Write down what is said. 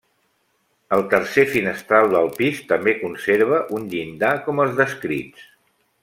El tercer finestral del pis també conserva un llindar com els descrits.